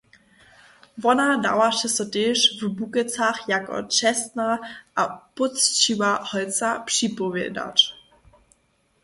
Wona dawaše so tež w Bukecach jako čestna a pócćiwa holca připowědać.